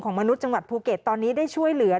มนุษย์จังหวัดภูเก็ตตอนนี้ได้ช่วยเหลือ